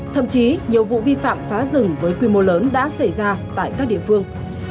thậm chí nhiều vụ vi phạm phá rừng với quy mô lớn đã xảy ra tại các địa phương